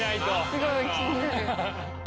すごい気になる！